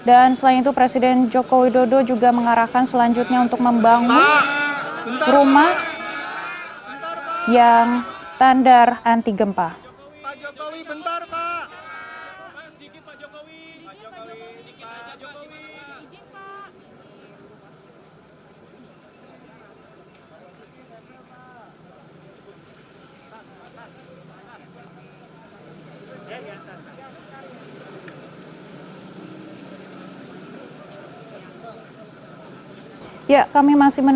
apakah proses evakuasi korban gempa akan terjadi setelah kisah ketidaksilitan di kisah adnan